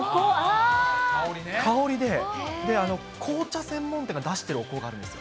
香りで、紅茶専門店が出してるお香があるんですよ。